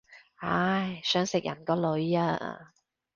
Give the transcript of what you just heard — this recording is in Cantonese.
唉，想食人個女啊